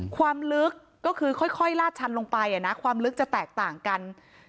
ความลึกก็คือค่อยลาดชันลงไปความลึกจะแตกต่างกัน